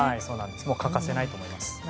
もう欠かせないと思います。